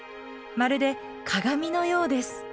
まるで鏡のようです。